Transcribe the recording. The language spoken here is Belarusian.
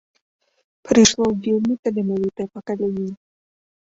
Прыйшло вельмі таленавітае пакаленне.